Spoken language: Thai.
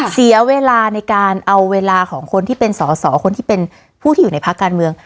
เสียเวลาในการเอาเวลาของคนที่เป็นสอสอคนที่เป็นผู้ที่อยู่ในพักการเมือง